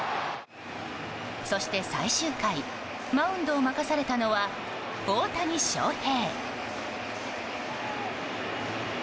そして最終回、マウンドを任されたのは大谷翔平。